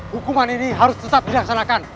hukuman ini harus tetap dilaksanakan